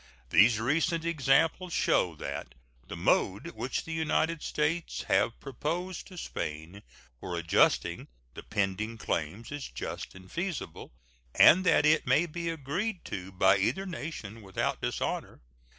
These recent examples show that the mode which the United States have proposed to Spain for adjusting the pending claims is just and feasible, and that it may be agreed to by either nation without dishonor.